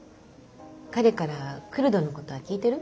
彼からクルドのことは聞いてる？